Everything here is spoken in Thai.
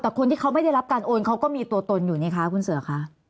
แต่คนที่เขาไม่ได้รับการโอนเขาก็มีตัวตนอยู่นี่คะคุณเสือคะ